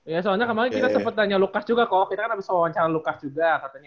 ya soalnya kemarin kita sempat tanya lukas juga kok kita kan abis wawancara lukas juga katanya